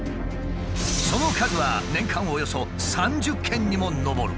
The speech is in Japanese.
その数は年間およそ３０件にも上る。